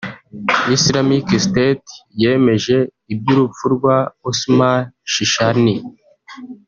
Islamic State yemeje iby’urupfu rwa Omar Shishani